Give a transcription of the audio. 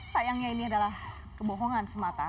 sayangnya ini adalah kebohongan semata